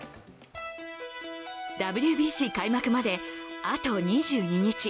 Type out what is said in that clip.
ＷＢＣ開幕まで、あと２２日。